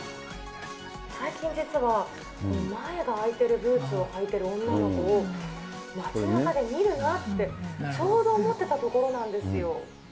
最近、実は前が開いてるブーツを履いてる女の子を、街なかで見るなって、ちょうど思ってたところなんですよ。